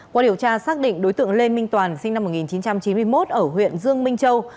qua điều tra xác định đối tượng lê minh toàn sinh năm một nghìn chín trăm chín mươi một ở huyện dương minh châu